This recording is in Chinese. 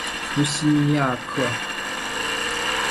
普西尼亚克。